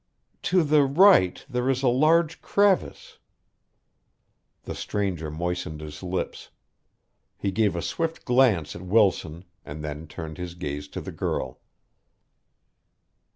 "To the right there is a large crevice." The stranger moistened his lips. He gave a swift glance at Wilson and then turned his gaze to the girl.